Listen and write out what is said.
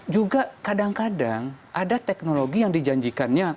juga kadang kadang ada teknologi yang dijanjikannya